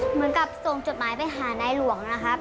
เหมือนกับส่งจดหมายไปหานายหลวงนะครับ